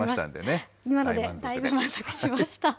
今のでだいぶ満足しました。